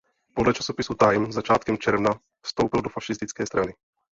Podle časopisu Time začátkem června vstoupil do fašistické strany.